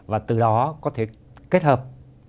và từ đó có thể kết hợp